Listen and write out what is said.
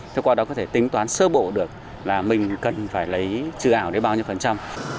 thế qua đó có thể tính toán sơ bộ được là mình cần phải lấy trừ ảo đấy bao nhiêu phần trăm